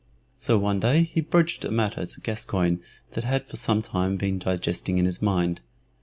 So one day he broached a matter to Gascoyne that had for some time been digesting in his mind.